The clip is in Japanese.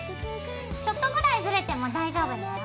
ちょっとぐらいずれても大丈夫だよ。